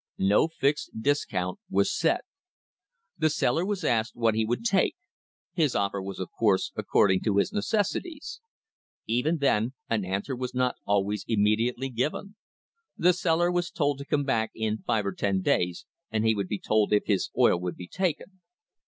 No fixed discount was set. The seller was asked what he would take; his offer was, of course, according to his necessities. Even then an answer was not always immediately given. The seller was told to come back in five or ten days and he would be told if his oil would be taken.